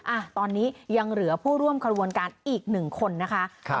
อ่ะตอนนี้ยังเหลือผู้ร่วมขบวนการอีกหนึ่งคนนะคะครับ